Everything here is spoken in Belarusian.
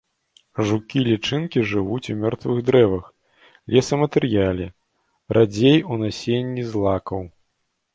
Жукі і лічынкі жывуць у мёртвых дрэвах, лесаматэрыяле, радзей у насенні злакаў.